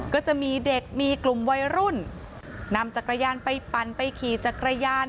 ก็จะมีเด็กมีกลุ่มวัยรุ่นนำจักรยานไปปั่นไปขี่จักรยาน